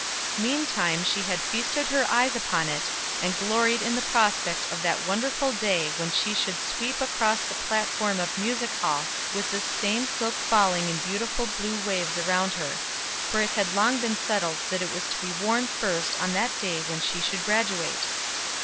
Meantime she had feasted her eyes upon it, and gloried in the prospect of that wonderful day when she should sweep across the platform of Music Hall with this same silk falling in beautiful blue waves around her; for it had long been settled that it was to be worn first on that day when she should graduate.